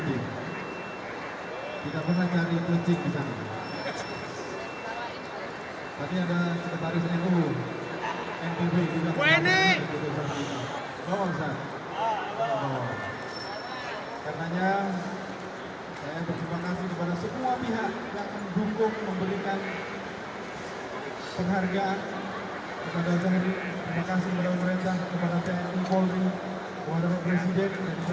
terima kasih kepada pemerintah kepada tni polri kepada presiden dan insya allah kedua dua presiden